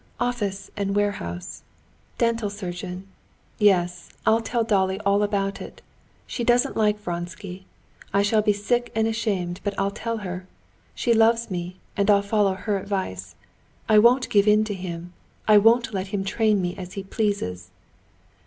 "Office and warehouse. Dental surgeon. Yes, I'll tell Dolly all about it. She doesn't like Vronsky. I shall be sick and ashamed, but I'll tell her. She loves me, and I'll follow her advice. I won't give in to him; I won't let him train me as he pleases.